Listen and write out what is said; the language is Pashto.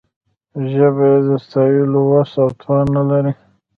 ژبه یې د ستایلو وس او توان نه لري.